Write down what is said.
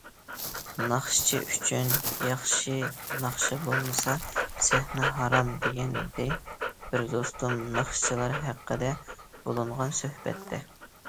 ‹‹ ناخشىچى ئۈچۈن ياخشى ناخشا بولمىسا سەھنە ھارام›› دېگەنىدى بىر دوستۇم ناخشىچىلار ھەققىدە بولۇنغان سۆھبەتتە.